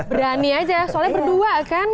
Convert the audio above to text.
berani aja soalnya berdua kan